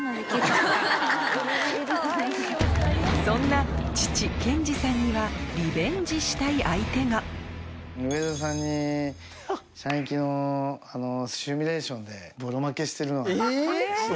そんな父研二さんにはリベンジしたい相手が上田さんに射撃のシミュレーションで。